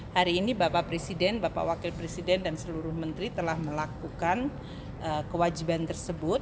hari ini bapak presiden bapak wakil presiden dan seluruh menteri telah melakukan kewajiban tersebut